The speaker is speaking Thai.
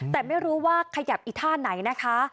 แต่ไม่รู้ว่าขยับอีกท่าไหนนะคะ